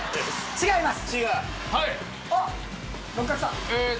違います。